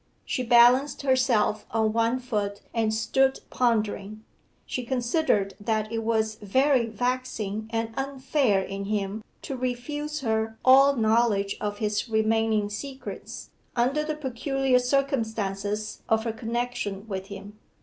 She balanced herself on one foot and stood pondering. She considered that it was very vexing and unfair in him to refuse her all knowledge of his remaining secrets, under the peculiar circumstances of her connection with him.